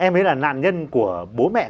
em ấy là nạn nhân của bố mẹ